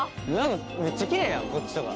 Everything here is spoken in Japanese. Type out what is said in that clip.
めっちゃ奇麗やんこっちとか。